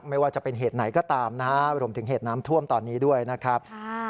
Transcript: ไม่ว่าจะเป็นเหตุไหนก็ตามนะฮะรวมถึงเหตุน้ำท่วมตอนนี้ด้วยนะครับ